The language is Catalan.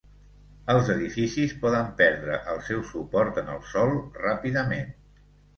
Els edificis poden perdre el seu suport en el sòl ràpidament.